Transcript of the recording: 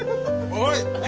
おい！